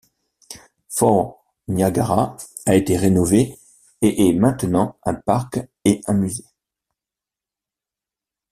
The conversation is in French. Fort Niagara a été rénové et est maintenant un parc et un musée.